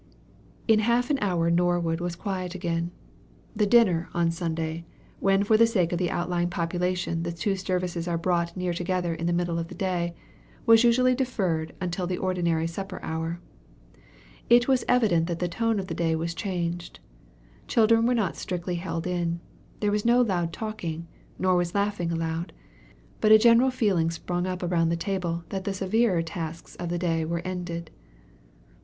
In half an hour Norwood was quiet again. The dinner, on Sunday, when for the sake of the outlying population the two services are brought near together in the middle of the day, was usually deferred till the ordinary supper hour. It was evident that the tone of the day was changed. Children were not so strictly held in. There was no loud talking, nor was laughing allowed, but a general feeling sprung up around the table that the severer tasks of the day were ended.